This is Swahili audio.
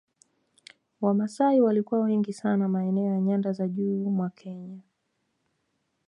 Wamasai walikuwa wengi sana maeneo ya nyanda za juu mwa Kenya